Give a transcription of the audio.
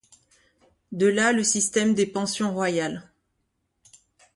De là le système des pensions royales.